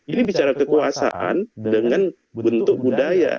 ini bicara kekuasaan dengan bentuk budaya